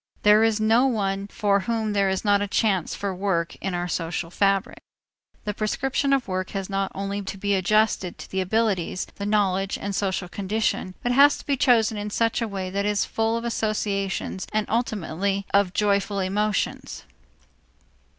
There is no one for whom there is not a chance for work in our social fabric. The prescription of work has not only to be adjusted to the abilities, the knowledge, and social condition, but has to be chosen in such a way that it is full of associations and ultimately of joyful emotions.